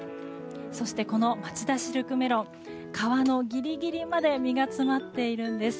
そして、このまちだシルクメロン皮のギリギリまで実が詰まっているんです。